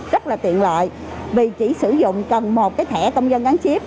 rất là tiện lợi vì chỉ sử dụng cần một cái thẻ công dân gắn chip